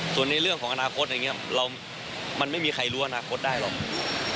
ส่วนในเรื่องของอนาคตอย่างนี้มันไม่มีใครรู้อนาคตได้หรอก